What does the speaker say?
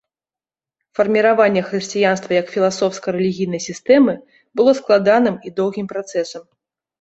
Фарміраванне хрысціянства як філасофска-рэлігійнай сістэмы было складаным і доўгім працэсам.